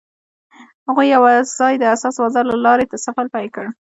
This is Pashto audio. هغوی یوځای د حساس باران له لارې سفر پیل کړ.